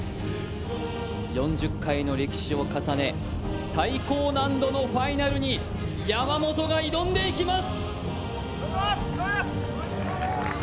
４０回の歴史を重ね最高難度のファイナルに山本が挑んでいきます！